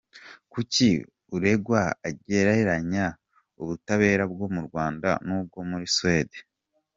Kuki uregwa agereranya ubutabera bwo mu Rwanda n’ubwo muri Suwede?